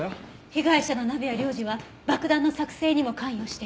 被害者の鍋谷亮次は爆弾の作製にも関与していた。